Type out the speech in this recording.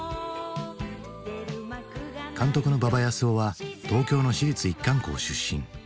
監督の馬場康夫は東京の私立一貫校出身。